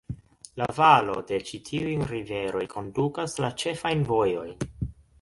La valo de ĉi tiuj riveroj kondukas la ĉefajn vojojn.